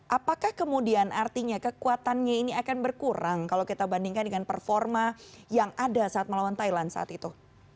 apakah kemudian artinya kekuatannya ini akan berkurang kalau kita bandingkan dengan performa yang ada saat melawan thailand saat itu